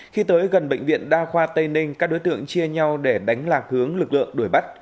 khi tới gần bệnh viện đa khoa tây ninh các đối tượng chia nhau để đánh lạc hướng lực lượng đuổi bắt